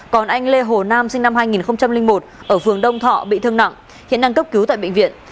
còn anh lê hồ nam sinh năm hai nghìn một ở phường đông thọ bị thương nặng hiện đang cấp cứu tại bệnh viện